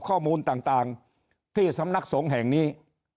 ข้อมูลต่างที่สำนักสงฆ์แห่งนี้